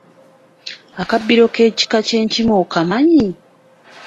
Akabbiro k’ekika ky’enkima okamanyi?